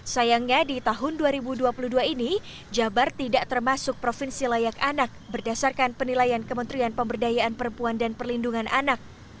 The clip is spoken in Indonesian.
sayangnya di tahun dua ribu dua puluh dua ini jabar tidak termasuk provinsi layak anak berdasarkan penilaian kementerian pemberdayaan perempuan dan perlindungan anak